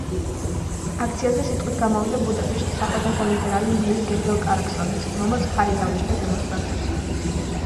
აქციაზე სიტყვით გამოვიდა ბუდაპეშტის ახალგაზრდა ლიბერალი მერი გერგელ კარაკსონიც, რომელმაც მხარი დაუჭირა დემონსტრანტებს.